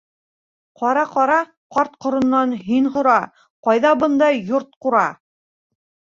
— Ҡара-ҡара, ҡарт-ҡоронан һин һора, ҡайҙа бындай йорт-ҡура?